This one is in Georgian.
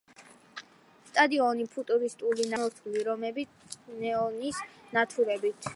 სტადიონი ფუტურისტული ნაგებობაა, გარედან მორთული რომბი ნეონის ნათურებით.